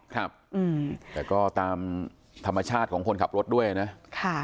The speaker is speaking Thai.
ครับแต่ก็ตามธรรมชาติของคนขับรถด้วยนะ